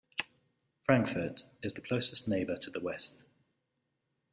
Frankfort is the closest neighbor to the west.